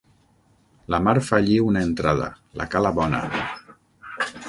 La mar fa allí una entrada, la cala Bona.